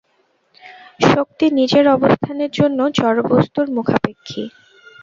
শক্তি নিজের অবস্থানের জন্য জড় বস্তুর মুখাপেক্ষী।